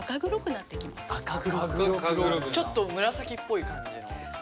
ちょっと紫っぽい感じの？